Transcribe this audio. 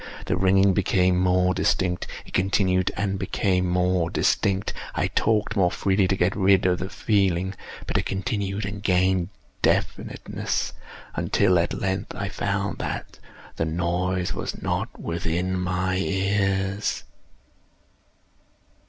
The ringing became more distinct:—it continued and became more distinct: I talked more freely to get rid of the feeling: but it continued and gained definiteness—until, at length, I found that the noise was not within my ears.